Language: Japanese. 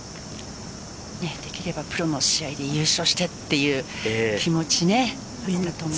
できれば、プロの試合で優勝してという気持ち。